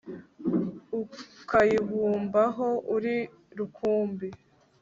Ukayibumbaho uri rukumbi